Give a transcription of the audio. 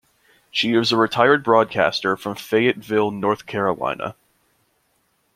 She is a retired broadcaster from Fayetteville, North Carolina.